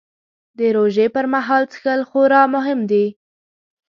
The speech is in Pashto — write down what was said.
د روژې پر مهال څښل خورا مهم دي